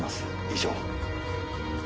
以上。